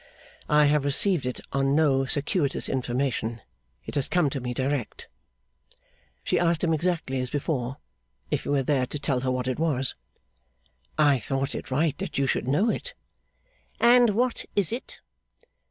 'I have received it on no circuitous information; it has come to me direct.' She asked him, exactly as before, if he were there to tell her what it was? 'I thought it right that you should know it.' 'And what is it?